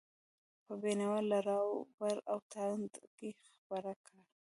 په بینوا، لراوبر او تاند کې خپره کړه.